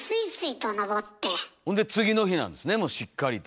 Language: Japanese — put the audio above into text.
ほんで次の日なんですねしっかりと。